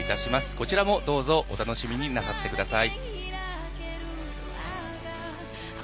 こちらもどうぞお楽しみになさってください。